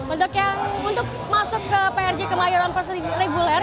untuk masuk ke prj kemayoran reguler